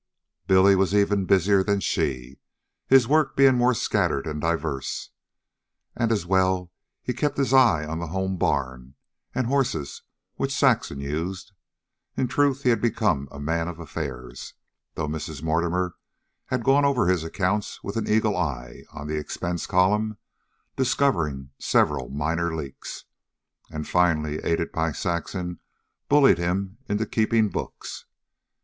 Billy was even busier than she, his work being more scattered and diverse. And, as well, he kept his eye on the home barn and horses which Saxon used. In truth he had become a man of affairs, though Mrs. Mortimer had gone over his accounts, with an eagle eye on the expense column, discovering several minor leaks, and finally, aided by Saxon, bullied him into keeping books.